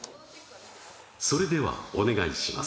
それではお願いします